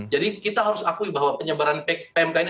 jadi kita harus akui bahwa penyebaran pmk ini